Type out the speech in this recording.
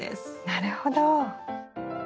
なるほど。